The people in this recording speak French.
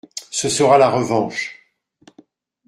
Ce sera la revanche !